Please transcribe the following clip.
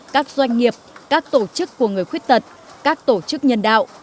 các doanh nghiệp các tổ chức của người khuyết tật các tổ chức nhân đạo